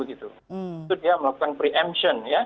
itu dia melakukan preemption